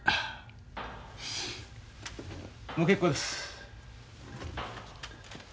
もう結構です。